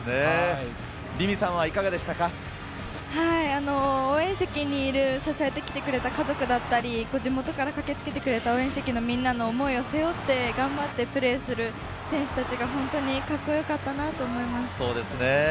凛美さんはいかがでした応援席にいる、支えてきてくれた家族だったり、地元から駆けつけてくれた応援席のみんなの思いを背負って頑張ってプレーする選手たちが、本当にカッコ良かったなと思います。